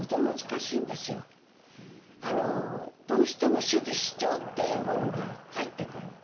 どうしても主義主張っていうものが入ってくる。